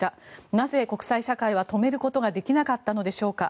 なぜ国際社会は止めることができなかったのでしょうか。